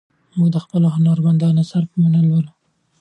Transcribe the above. موږ د خپلو هنرمندانو اثار په مینه لولو.